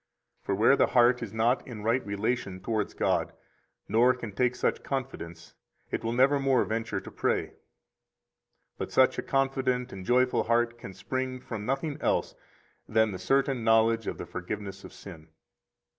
For where the heart is not in right relation towards God, nor can take such confidence, it will nevermore venture to pray. But such a confident and joyful heart can spring from nothing else than the [certain] knowledge of the forgiveness of sin.